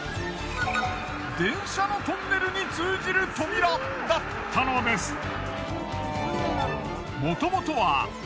電車のトンネルに通じる扉だったのです。